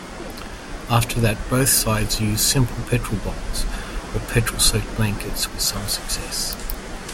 After that, both sides used simple petrol bombs or petrol-soaked blankets with some success.